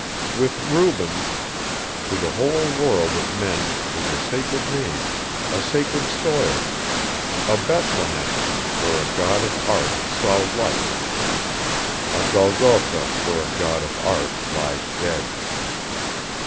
With Rubens, to the whole world of men it is a sacred name, a sacred soil, a Bethlehem where a god of Art saw light, a Golgotha where a god of Art lies dead.